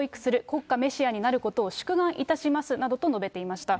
国家メシアになることを祝賀いたしますなどと述べていました。